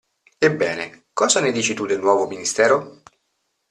Ebbene, cosa ne dici tu del nuovo Ministero?